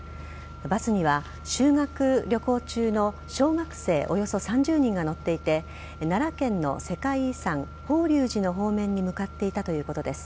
バスには修学旅行中の小学生およそ３０人が乗っていて奈良県の世界遺産法隆寺の方面に向かっていたということです。